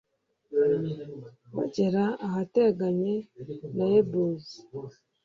bagera ahateganye na yebuzi